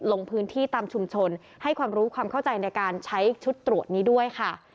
ลงพื้นที่ตามชุมชนให้ความรู้ความเข้าใจในการใช้ชุดตรวจนี้ด้วยค่ะ